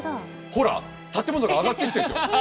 ほら建物が上がってるんですよ。